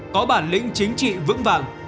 có bản lĩnh chính trị vững vàng